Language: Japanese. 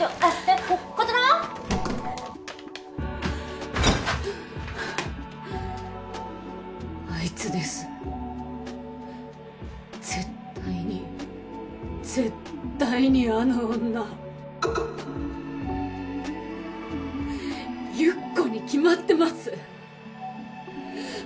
っこ琴乃⁉ハァハァあいつです絶対に絶対にあの女ゆっこに決まってます